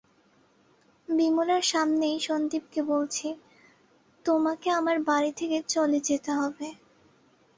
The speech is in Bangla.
বিমলার সামনেই সন্দীপকে বলেছি, তোমাকে আমার বাড়ি থেকে চলে যেতে হবে।